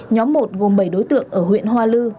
nhóm một gồm bảy đối tượng ở huyện hoa lư